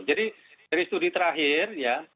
jadi dari studi terakhir ya